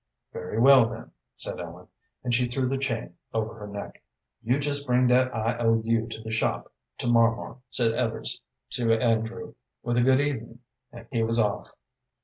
"Very well, then," said Ellen, and she threw the chain over her neck. "You just bring that I O U to the shop to mor mor," said Evarts to Andrew; then, with a "Good evening," he was off.